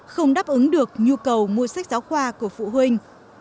không đáp ứng được nhu cầu mua sách giáo khoa của phụ huynh